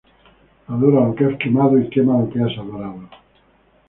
Adora lo que has quemado y quema lo que has adorado".